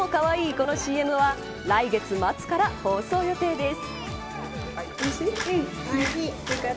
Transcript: このＣＭは来月末から放送予定です。